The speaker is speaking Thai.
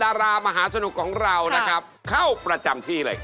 อันนี้เป็นลูกค้าเป็นจะบอกใช่ใช่ถูกต้อง